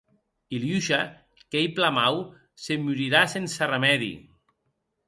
Iliusha qu'ei plan mau, se morirà sense remèdi.